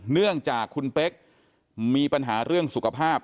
เนื่องจากคุณเป๊กมีปัญหาเรื่องสุขภาพ